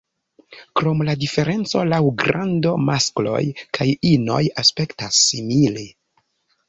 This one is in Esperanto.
Krom la diferenco laŭ grando, maskloj kaj inoj aspektas simile.